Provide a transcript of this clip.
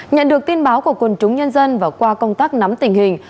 nhận được tin báo của quần chúng nhân dân và qua công tác nắm tình hình